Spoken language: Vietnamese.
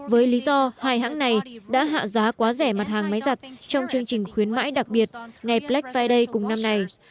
với lý do hai hãng này đã hạ giá quá rẻ mặt hàng máy giặt trong chương trình khuyến mãi đặc biệt ngày black friday cùng năm này